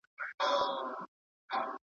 مئينه نه يې دروغ وايې